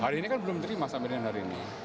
hari ini kan belum terima sambilnya hari ini